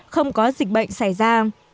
không có dịch bệnh xảy ra